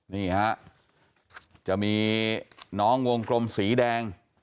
นี่ฮะจะมีน้องวงกลมสีแดง